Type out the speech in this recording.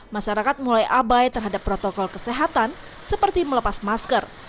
masyarakat mulai abai terhadap protokol kesehatan seperti melepas masker